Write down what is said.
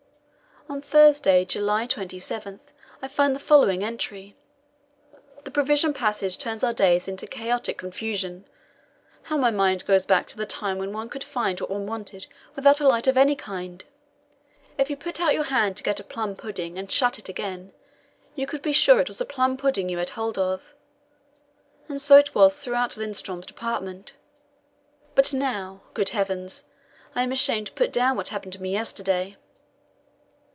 On Thursday, July 27, I find the following entry: "The provision passage turns our days into chaotic confusion. How my mind goes back to the time when one could find what one wanted without a light of any kind! If you put out your hand to get a plum pudding and shut it again, you could be sure it was a plum pudding you had hold of. And so it was throughout Lindström's department. But now good Heavens! I am ashamed to put down what happened to me yesterday.